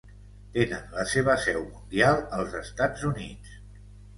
Tenen la seva seu mundial als Estats Units.